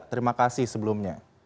terima kasih sebelumnya